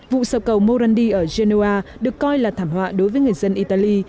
vụ sập cầu morandi ở genoa được coi là thảm họa đối với người dân italy